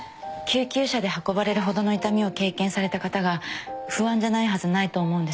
救急車で運ばれるほどの痛みを経験された方が不安じゃないはずないと思うんです